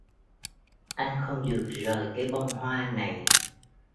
Anh không được rời cái bông hoa này